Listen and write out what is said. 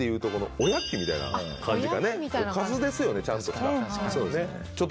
おかずですよねちゃんとした。